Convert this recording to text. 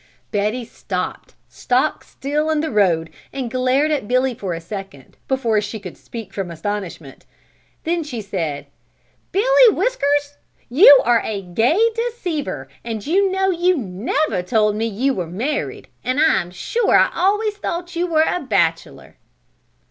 Betty stopped stock still in the road and glared at Billy for a second, before she could speak from astonishment. Then she said: "Billy Whiskers you are a gay deceiver and you know you never told me you were married and I am sure I always thought you were a bachelor."